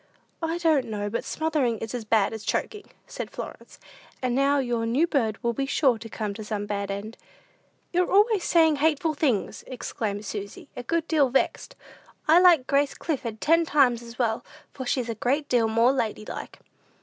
"I don't know but smothering is as bad as choking," said Florence; "and now your new bird will be sure to come to some bad end." "You're always saying hateful things," exclaimed Susy, a good deal vexed. "I like Grace Clifford ten times as well, for she's a great deal more lady like."